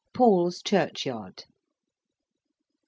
PAUL'S CHURCHYARD. St.